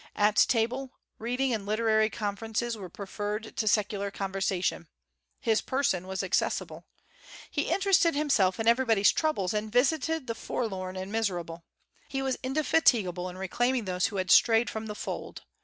At table, reading and literary conferences were preferred to secular conversation. His person was accessible. He interested himself in everybody's troubles, and visited the forlorn and miserable. He was indefatigable in reclaiming those who had strayed from the fold.